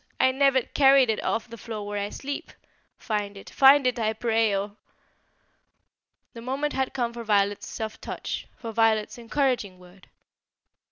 I never carried it off the floor where I sleep. Find it; find it, I pray, or " The moment had come for Violet's soft touch, for Violet's encouraging word.